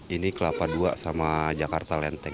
ini kelapa dua sama jakarta lenteng